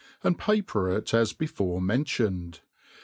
>nd paper it as befqre pif^ioned.